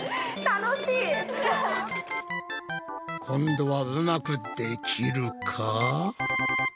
今度はうまくできるか？